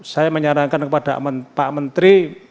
saya menyarankan kepada pak menteri